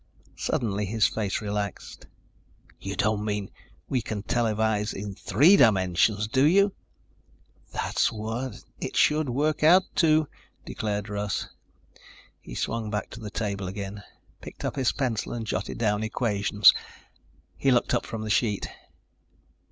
Suddenly his face relaxed. "You don't mean we can televise in three dimensions, do you?" "That's what it should work out to," declared Russ. He swung back to the table again, picked up his pencil and jotted down equations. He looked up from the sheet.